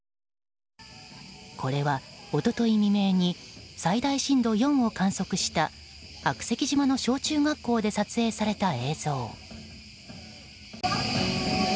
これは一昨日未明に最大震度４を観測した悪石島の小中学校で撮影された映像。